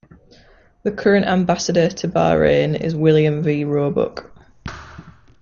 The current Ambassador to Bahrain is William V. Roebuck.